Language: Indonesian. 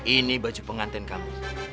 ini baju pengantin kamu